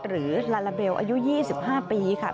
หรือลาลาเบลอายุ๒๕ปีค่ะ